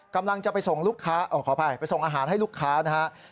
กำลังจะไปส่งลูกค้าขออภัยไปส่งอาหารให้ลูกค้านะครับ